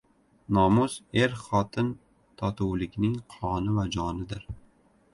Nomus er-xotin totuvligining qoni va jonidir.